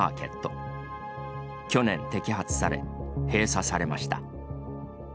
去年、摘発され、閉鎖されました。